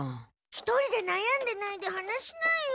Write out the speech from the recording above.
一人でなやんでないで話しなよ。